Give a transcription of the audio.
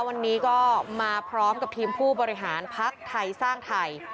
วันนี้ก็มาพร้อมกับทีมผู้บริหารพักไทยสร้างไทย